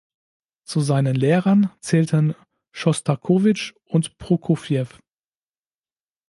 Zu seinen Lehrern zählten Schostakowitsch und Prokofjew.